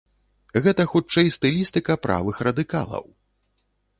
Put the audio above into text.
Гэта, хутчэй, стылістыка правых радыкалаў.